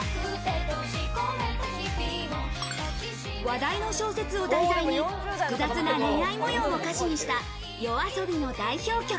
話題の小説を題材に、複雑な恋愛模様を歌詞にしたＹＯＡＳＯＢＩの代表曲。